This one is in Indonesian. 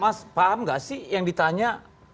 mas paham nggak sih yang ditanya